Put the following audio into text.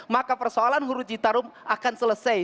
maka persoalan huru citarum akan selesai